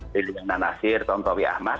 liliana nasir tontowi ahmad